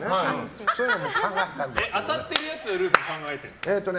当たってるやつはルーさん考えてるんですか？